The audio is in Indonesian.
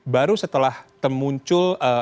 baru setelah temuncul